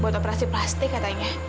buat operasi plastik katanya